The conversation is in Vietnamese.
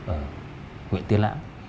ở huyện tiên lã